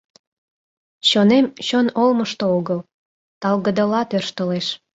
Чонем чон олмышто огыл, талгыдыла тӧрштылеш.